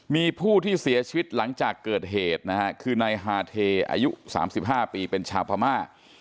มีผู้ที่เสียชีวิตหลังจากเกิดเหตุนะฮะคือนายฮาเทอายุ๓๕ปีเป็นชาวพม่า